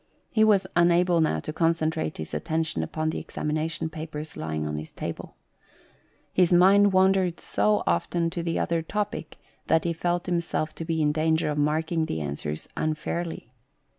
He was unable now to concentrate his attention upon the examination papers lying on his table. His mind wandered so often to the other topic that he felt himself to be in danger of marking the answers unfairly.